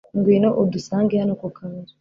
ngwino udusange hano ku kabari